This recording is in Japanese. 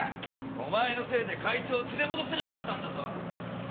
お前のせいで会長を連れ戻せなかったんだぞ。